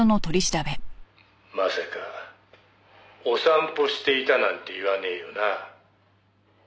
「まさかお散歩していたなんて言わねえよな？」